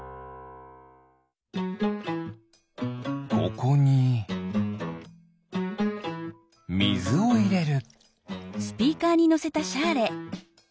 ここにみずをいれる。